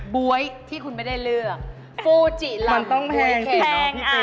บ๊วยที่คุณไม่ได้เลือกฟูจิลำบ๊วยเค็มมันต้องแพงแพงอ่ะ